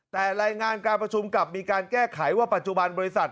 แต่รายงานการประชุมกลับมีการแก้ไขว่าปัจจุบันบริษัท